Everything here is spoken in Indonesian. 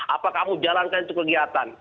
apa kamu jalankan itu kegiatan